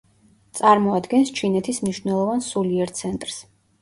წარმოადგენს ჩინეთის მნიშვნელოვან სულიერ ცენტრს.